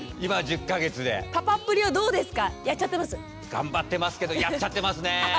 頑張ってますけどやっちゃってますね。